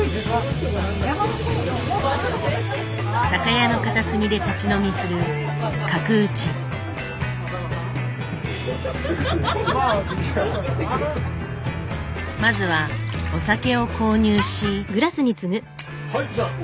酒屋の片隅で立ち飲みするまずはお酒を購入し。